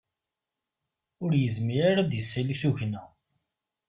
Ur yezmir ara ad isali tugna.